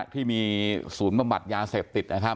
ที่มีศูนย์ประมาทยาเสพติดนะครับ